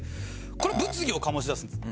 これ物議を醸しだすんです。